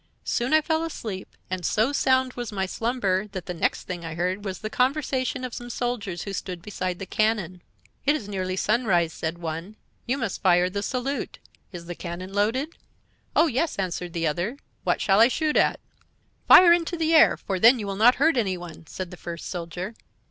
Soon I fell asleep, and so sound was my slumber that the next thing I heard was the conversation of some soldiers who stood beside the cannon. "'It is nearly sunrise,' said one. 'You must fire the salute. Is the cannon loaded?' "'Oh, yes,' answered the other. 'What shall I shoot at?' "' Fire into the air, for then you will not hurt any one,' said the first soldier.